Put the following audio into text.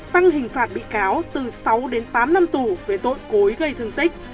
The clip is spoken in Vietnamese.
tăng hình phạt bị cáo từ sáu đến tám năm tù về tội cối gây thương tích